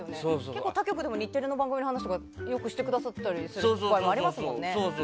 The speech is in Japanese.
結構、他局でも日テレの番組のお話してくださっている機会ありますもんね。